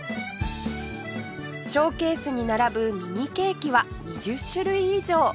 ショーケースに並ぶミニケーキは２０種類以上